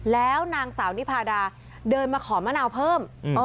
แล้วนางสาวนิพาดาเดินมาขอมะนาวเพิ่ม